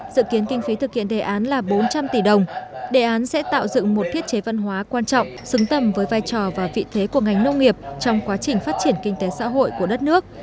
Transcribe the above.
dự kiến kinh phí thực hiện đề án là bốn trăm linh tỷ đồng đề án sẽ tạo dựng một thiết chế văn hóa quan trọng xứng tầm với vai trò và vị thế của ngành nông nghiệp trong quá trình phát triển kinh tế xã hội của đất nước